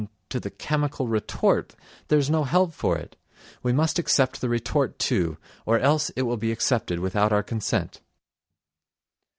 to the chemical retort, there's no help for it, we must accept the retort too, or else it will be accepted without our consent...."